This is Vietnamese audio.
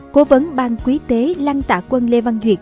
cố vấn bang quý tế lăng tạ quân lê văn duyệt